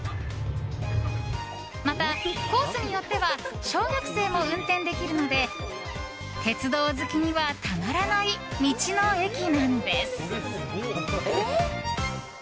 また、コースによっては小学生も運転できるので鉄道好きにはたまらない道の駅なんです。